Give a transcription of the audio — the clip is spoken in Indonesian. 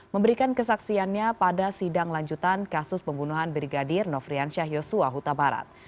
memberikan kesaksiannya pada sidang lanjutan kasus pembunuhan brigadir nofrian syahyos wahuta barat